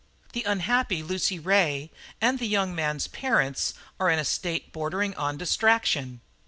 The unhappy Lucy Ray and the young man's parents are in a state bordering on distraction."